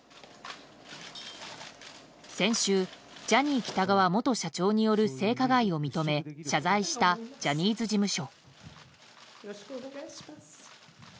先週ジャニー喜多川元社長による性加害を認め、謝罪したジャニーズ事務所。